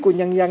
của nhân dân